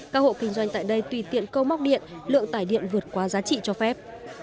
các hộ kinh doanh tại đây tùy tiện câu móc điện lượng tải điện vượt qua giá trị cho phép